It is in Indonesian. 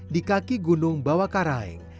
di kaki gunung bawah karaing